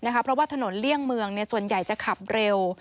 เพราะว่าถนนเลี่ยงเมืองส่วนใหญ่จะขับเร็ว